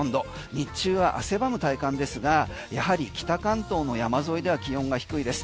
日中は汗ばむ体感ですがやはり、北関東の山沿いでは気温が低いです。